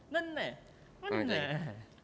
นั่นแหละ